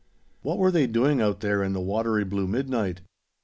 What were they doing out there in the watery blue midnight?